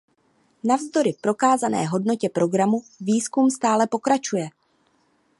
Navzdory prokázané hodnotě programu výzkum stále pokračuje.